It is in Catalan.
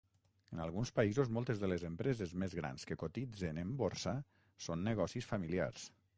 En alguns països, moltes de les empreses més grans que cotitzen en borsa són negocis familiars.